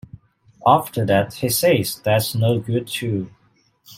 After that, he says, That's no good too.